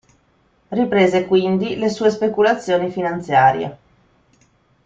Riprese quindi le sue speculazioni finanziarie.